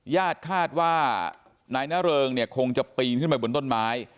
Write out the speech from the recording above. ญาติคาดว่านายนเริงเนี่ยคงจะปีนขึ้นไปบนต้นไม้